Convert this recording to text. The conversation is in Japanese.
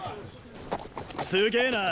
すげェな。